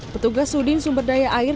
petugas sudin sumber daya air